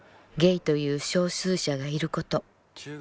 「ゲイという少数者がいること。